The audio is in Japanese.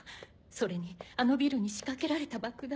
それにあのビルに仕掛けられた爆弾。